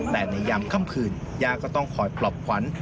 แต่ในยามค่ำคืนย่าก็ต้องคอยปลอบขวัญ